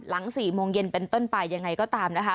๔โมงเย็นเป็นต้นไปยังไงก็ตามนะคะ